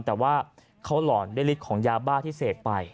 แต่ว่าเขาหล่อได้ริดของยาบ้าที่เศพไป